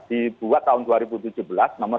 dibuat tahun dua ribu tujuh belas nomor sembilan